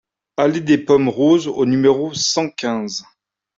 Allée des Pommes Roses au numéro cent quinze